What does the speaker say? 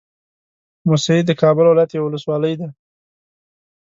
موسهي د کابل ولايت يوه ولسوالۍ ده